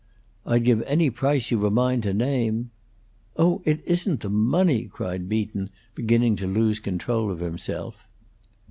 "I'd give any price you've a mind to name " "Oh, it isn't the money!" cried Beaton, beginning to lose control of himself.